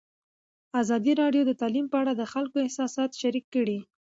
ازادي راډیو د تعلیم په اړه د خلکو احساسات شریک کړي.